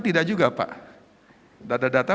tidak juga pak data data